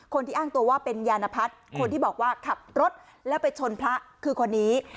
คนที่อ้างตัวว่าเป็นยานพัฒน์คนที่บอกว่าขับรถแล้วไปชนพระคือคนนี้